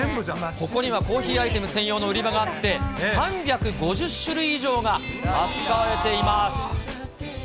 ここにはコーヒーアイテム専用の売り場があって、３５０種類以上が扱われています。